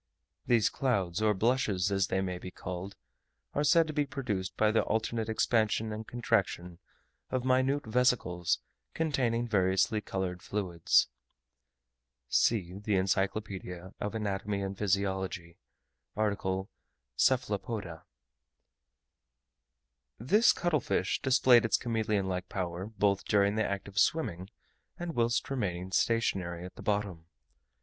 These clouds, or blushes as they may be called, are said to be produced by the alternate expansion and contraction of minute vesicles containing variously coloured fluids. This cuttle fish displayed its chameleon like power both during the act of swimming and whilst remaining stationary at the bottom.